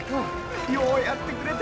ようやってくれた！